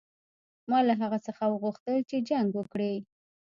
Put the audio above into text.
ما له هغه څخه وغوښتل چې جنګ وکړي.